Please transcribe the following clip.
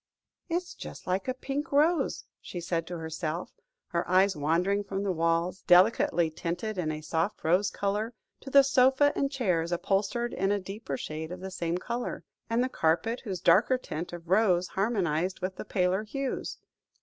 "It is just like a pink rose," she said to herself, her eyes wandering from the walls, delicately tinted a soft rose colour, to the sofa and chairs upholstered in a deeper shade of the same colour, and the carpet, whose darker tint of rose harmonised with the paler hues.